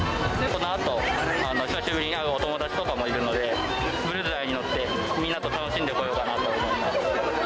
このあと、久しぶりに会うお友達とかもいるので、ブルズアイに乗って、みんなと楽しんでこようかなと思います。